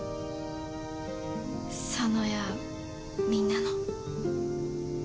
佐野やみんなの。